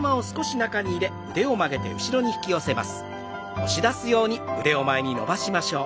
押し出すように前に伸ばしましょう。